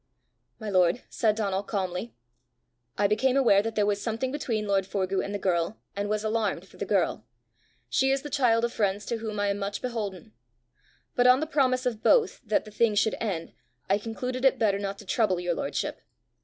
"My lord," said Donal calmly, "I became aware that there was something between lord Forgue and the girl, and was alarmed for the girl: she is the child of friends to whom I am much beholden. But on the promise of both that the thing should end, I concluded it better not to trouble your lordship.